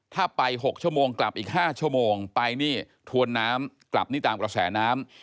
ถ้าไป๖ชั่วโมงกลับอีก๕ชั่วโมงไปนี่ถวนน้ำกลับนี่ตามกระแสน้ำ